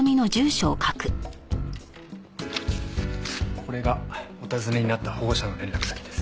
これがお尋ねになった保護者の連絡先です。